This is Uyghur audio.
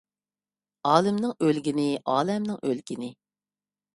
ئالىمنىڭ ئۆلگىنى ئالەمنىڭ ئۆلگىنى.